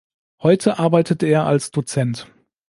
Heute arbeitet er als Dozent.